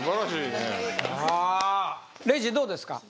礼二どうですか？